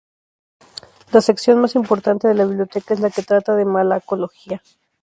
La sección más importante de la biblioteca es la que trata de Malacología.